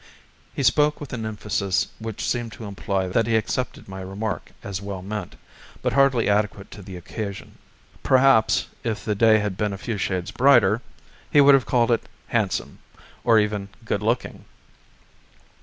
He spoke with an emphasis which seemed to imply that he accepted my remark as well meant, but hardly adequate to the occasion. Perhaps, if the day had been a few shades brighter, he would have called it "handsome," or even "good looking."